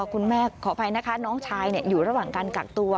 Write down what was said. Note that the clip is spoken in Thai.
ขออภัยนะคะน้องชายอยู่ระหว่างการกักตัว